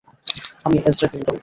আমি Ezra Grindle.